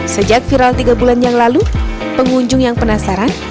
sejak viral tiga bulan yang lalu pengunjung yang penasaran